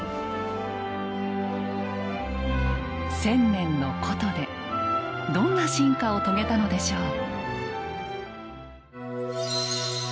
千年の古都でどんな進化を遂げたのでしょう。